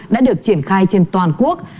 đã được triển khai trên toàn quốc